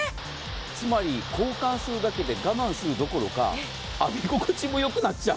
つまり交換するだけで我慢するどころか浴び心地もよくなっちゃう。